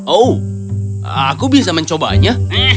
oh aku bisa mencobanya